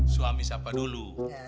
suami siapa dulu